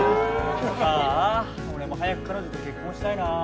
ああ俺も早く彼女と結婚したいなぁ。